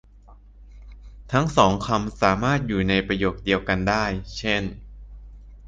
ทั้งสองคำสามารถอยู่ในประโยคเดียวกันได้ เช่น